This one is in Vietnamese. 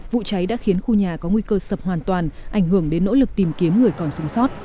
vụ cháy đã khiến khu nhà có nguy cơ sập hoàn toàn ảnh hưởng đến nỗ lực tìm kiếm người còn sống sót